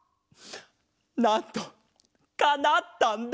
なんとかなったんだ。